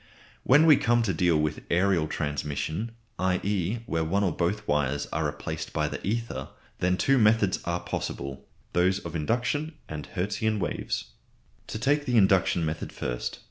When we come to deal with aërial transmission, i.e. where one or both wires are replaced by the ether, then two methods are possible, those of induction and Hertzian waves. To take the induction method first.